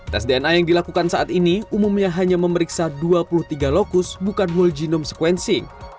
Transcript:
tes dna yang dilakukan saat ini umumnya hanya memeriksa dua puluh tiga lokus bukan whole genome sequencing